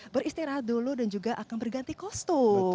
beristirahat dulu dan juga akan berganti kostum